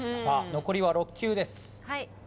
残りは６球です